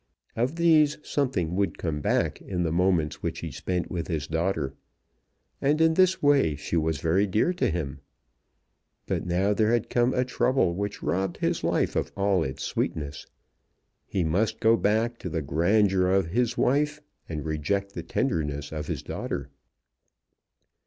Of these something would come back in the moments which he spent with his daughter; and in this way she was very dear to him. But now there had come a trouble which robbed his life of all its sweetness. He must go back to the grandeur of his wife and reject the tenderness of his daughter.